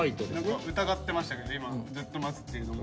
疑ってましたけど今ずっと待つっていうのも。